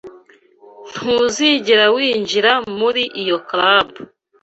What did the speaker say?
Ntuzigera winjira muri iyo club.